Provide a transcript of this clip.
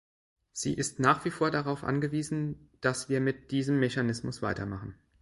Sie ist nach wie vor darauf angewiesen, dass wir mit diesem Mechanismus weitermachen.